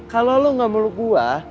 kalo lu gak meluk gue